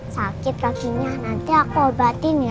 sakit kakinya nanti aku obatin ya